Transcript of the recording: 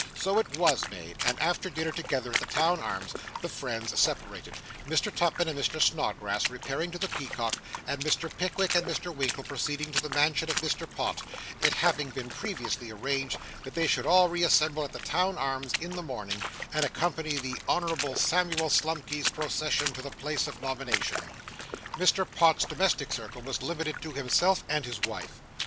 So it _was _made; and after dinner together at the Town Arms, the friends separated, Mr. Tupman and Mr. Snodgrass repairing to the Peacock, and Mr. Pickwick and Mr. Winkle proceeding to the mansion of Mr. Pott; it having been previously arranged that they should all reassemble at the Town Arms in the morning, and accompany the Honourable Samuel Slumkey's procession to the place of nomination. Mr. Pott's domestic circle was limited to himself and his wife.